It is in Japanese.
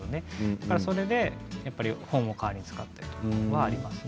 それで本を代わりに使ったりとかはありますね。